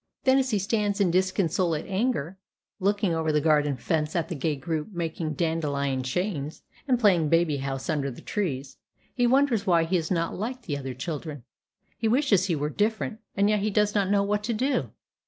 Then, as he stands in disconsolate anger, looking over the garden fence at the gay group making dandelion chains, and playing baby house under the trees, he wonders why he is not like other children. He wishes he were different, and yet he does not know what to do.